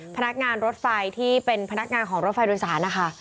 พนักงานรถไฟที่เป็นพนักงานของรถไฟโดยสารนะคะ